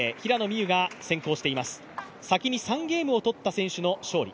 先に３ゲームを取った選手の勝利。